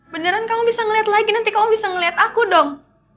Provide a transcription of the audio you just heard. beneran kamu bisa ngeliat lagi nanti kamu bisa ngeliat aku dong